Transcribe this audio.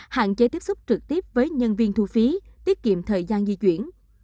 hạn chế tiếp xúc trực tiếp với nhân viên thu phí tiết kiệm thời gian di chuyển